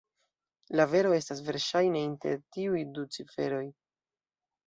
La vero estas verŝajne inter tiuj du ciferoj.